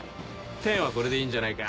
貂はこれでいいんじゃないか？